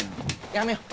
やめよう。